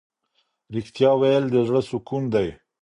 ریښتیا ویل د زړه سکون دی.